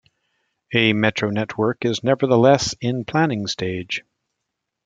A metro network is nevertheless in planning stage.